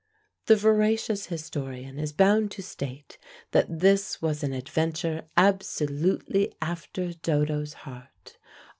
The veracious historian is bound to state that this was an adventure absolutely after Dodo's heart.